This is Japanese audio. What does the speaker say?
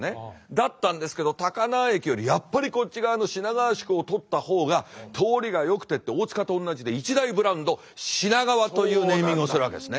だったんですけど高輪駅よりやっぱりこっち側の品川宿をとった方が通りがよくてって大塚と同じで一大ブランド品川というネーミングをするわけですね。